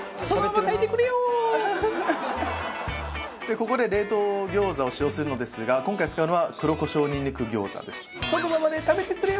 ここで冷凍餃子を使用するのですが今回使うのは黒胡椒にんにく餃子です。